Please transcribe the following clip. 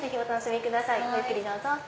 ごゆっくりどうぞ。